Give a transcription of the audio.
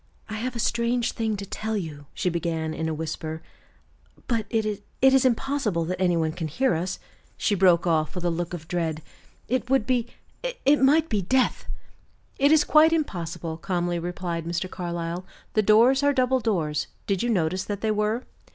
"I have a strange thing to tell you," she began, in a whisper, "but it is impossible that any one can hear us," she broke off, with a look of dread. "It would be it might be death!" "It is quite impossible," calmly replied Mr. Carlyle. "The doors are double doors; did you notice that they were?"